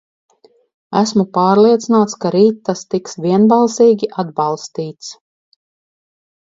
Esmu pārliecināts, ka rīt tas tiks vienbalsīgi atbalstīts.